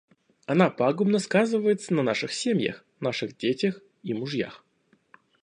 Она пагубно сказывается на наших семьях, наших детях и мужьях.